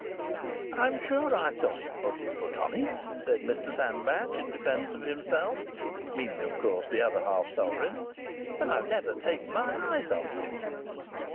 "I'm sure I saw him put his foot on it," said Mr Sandbach in defence of himself (meaning, of course, the other half sovereign), "and I've never taken my eyes off him."